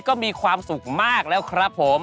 ก็มีความสุขมากแล้วครับผม